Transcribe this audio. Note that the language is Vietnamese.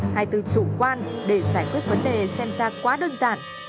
hay từ chủ quan để giải quyết vấn đề xem ra quá đơn giản